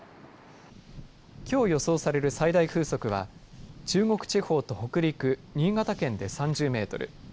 きょう予想される最大風速は中国地方と北陸新潟県で３０メートル